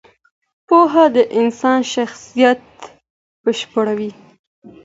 پوهه د انسان شخصیت بشپړوي.